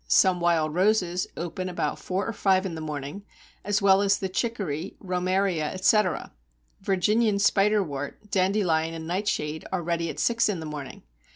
Some wild Roses open about four or five in the morning, as well as the Chicory, Roemeria, etc. Virginian Spiderwort, Dandelion, and Nightshade are ready at six in the morning.